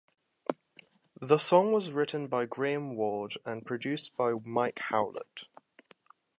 The song was written by Graham Ward and produced by Mike Howlett.